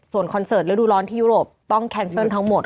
ส่วนคอนเสิร์ตฤดูร้อนที่ยุโรปต้องแคนเซิลทั้งหมด